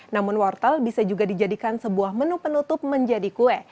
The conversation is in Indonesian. namun wortel bisa juga dijadikan sebuah menu penutup menjadi kue